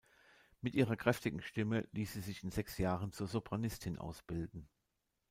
Mit ihrer kräftigen Stimme ließ sie sich in sechs Jahren zur Sopranistin ausbilden.